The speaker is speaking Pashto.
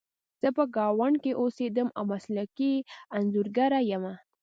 زه په ګاونډ کې اوسیدم او مسلکي انځورګره یم